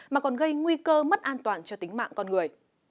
mà còn gây nguy cơ mất an toàn cho tính mạng con người